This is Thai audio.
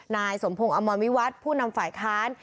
นายสมพงศ์อมรวิวัตรผู้นำฝ่ายค้าน